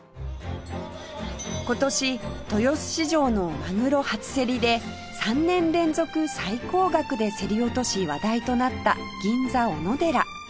今年豊洲市場のマグロ初競りで３年連続最高額で競り落とし話題となった銀座おのでら